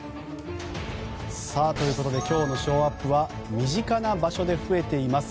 さあ、ということで今日のショーアップは身近な場所で増えています